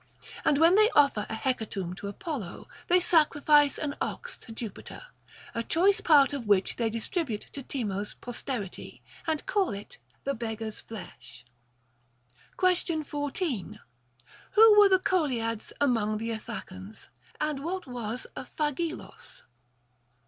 And when they offer a hecatomb to Apollo, they sacrifice an ox to Jupiter, a choice part of which they distribute to Temo's posterity, and call it the beggars' flesh. Question 14. Who were the Coliads among the Itha cans \ And what was a φάγάος ?